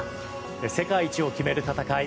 世界一を決める戦い